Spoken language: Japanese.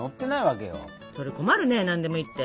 それ困るね何でもいいって。